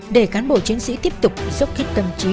để cán bộ chiến sĩ tiếp tục sốc khít cầm trí